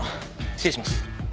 失礼します。